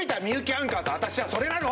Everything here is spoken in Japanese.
アンカーと私はそれなの！